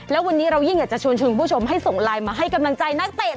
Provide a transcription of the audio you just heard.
แล้ววันนี้เรายิ่งอยากจะชวนชุมผู้ชมให้ส่งไลน์